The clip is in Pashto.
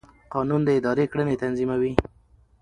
قانون د ادارې کړنې تنظیموي.